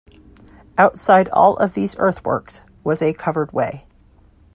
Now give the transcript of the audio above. Outside all of these earthworks was a covered way.